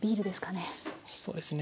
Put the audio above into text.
そうですね。